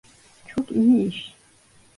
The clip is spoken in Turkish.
Çok iyi iş.